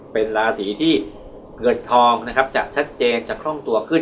เป็นลาสีที่เงินทองจากชัดเจนจะทร่องตัวขึ้น